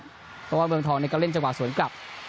เพราะว่าเมืองทองก็เล่นจังหวะสวนกลับ